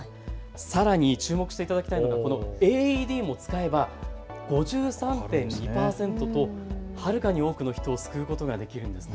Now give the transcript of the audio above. さらに注目していただきたいのはＡＥＤを使えば５３．２％とはるかに多くの人を救うことができるんです。